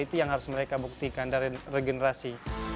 itu yang harus mereka buktikan dari regenerasi